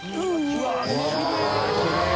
うわっきれい。